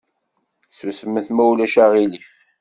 Susmet ma ulac aɣilif!